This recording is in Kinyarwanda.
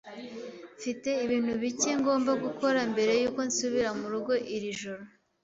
Mfite ibintu bike ngomba gukora mbere yuko nsubira murugo iri joro.